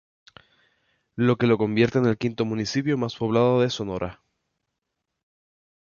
Lo que lo convierte en el quinto municipio más poblado de Sonora.